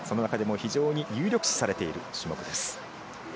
その中でも非常に有力視されている種目です。